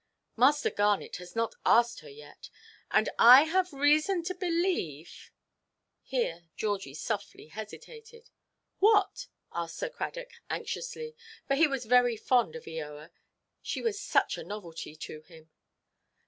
"Master Garnet has not asked her yet. And I have reason to believe"—— here Georgie softly hesitated. "What?" asked Sir Cradock, anxiously, for he was very fond of Eoa; she was such a novelty to him.